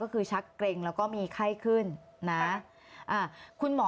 ก็คือชักเกร็งแล้วก็มีไข้ขึ้นนะคุณหมอ